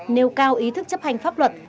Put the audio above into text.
nêu cao ý thức chấp hành pháp luật